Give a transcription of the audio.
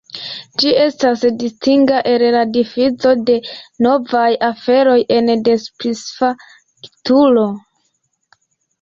Ĝi estas distinga el la difuzo de novaj aferoj ene de specifa kulturo.